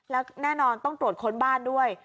แล้วแน่นอนต้องตรวจค้นบ้านด้วย